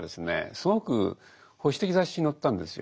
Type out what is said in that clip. すごく保守的雑誌に載ったんですよ。